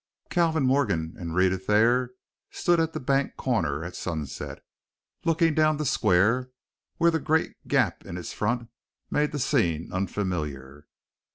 Calvin Morgan and Rhetta Thayer stood at the bank corner at sunset, looking down the square where the great gap in its front made the scene unfamiliar.